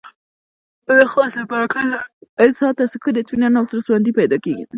د اخلاص له برکته انسان ته سکون، اطمینان او زړهسواندی پیدا کېږي.